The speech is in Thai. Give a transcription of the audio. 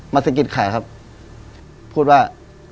มาสะกิดข่าครับพูดว่า